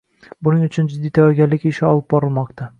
Buning uchun jiddiy tayyorgarlik ishlari olib borilmoqda